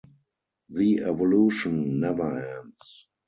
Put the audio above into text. The evolution never ends.